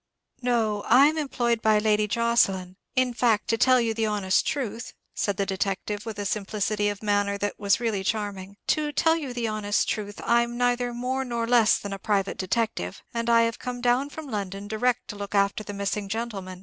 "No, I'm employed by Lady Jocelyn; in fact, to tell you the honest truth," said the detective, with a simplicity of manner that was really charming: "to tell you the honest truth, I'm neither more nor less than a private detective, and I have come down from London direct to look after the missing gentleman.